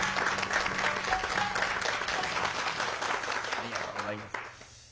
ありがとうございます。